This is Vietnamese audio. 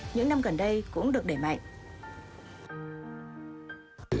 những năm gần đây cũng được để mạnh